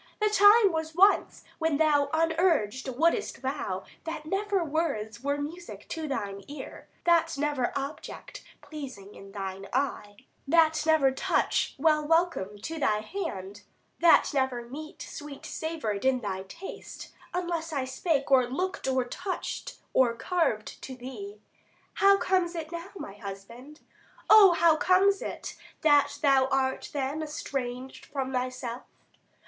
The time was once when thou unurged wouldst vow That never words were music to thine ear, That never object pleasing in thine eye, That never touch well welcome to thy hand, 115 That never meat sweet savour'd in thy taste, Unless I spake, or look'd, or touch'd, or carved to thee. How comes it now, my husband, O, how comes it, That thou art then estranged from thyself?